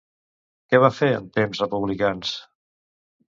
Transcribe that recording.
Què va fer en temps republicans?